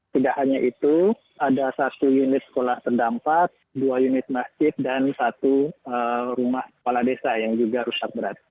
tidak hanya itu ada satu unit sekolah terdampak dua unit masjid dan satu rumah kepala desa yang juga rusak berat